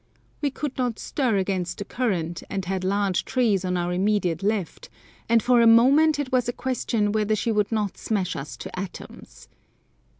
We could not stir against the current, and had large trees on our immediate left, and for a moment it was a question whether she would not smash us to atoms.